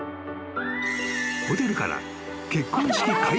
［ホテルから］